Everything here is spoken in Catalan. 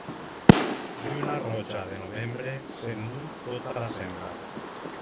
Lluna roja de novembre s'enduu tota la sembra.